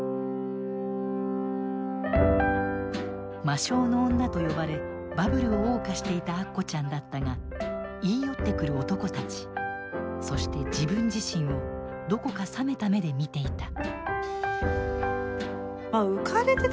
魔性の女と呼ばれバブルを謳歌していたアッコちゃんだったが言い寄ってくる男たちそして自分自身をどこか冷めた目で見ていた。